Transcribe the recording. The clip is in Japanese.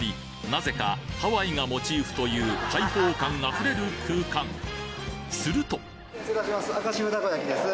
なぜかハワイがモチーフという開放感溢れる空間すると失礼いたします。